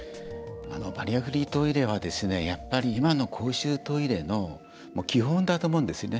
バリアフリートイレはやっぱり、今の公衆トイレの基本だと思うんですよね。